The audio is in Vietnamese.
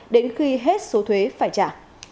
đến khi hết số thuế phải trả